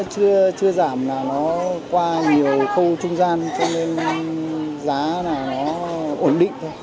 chưa giảm là nó qua nhiều khâu trung gian cho nên giá là nó ổn định thôi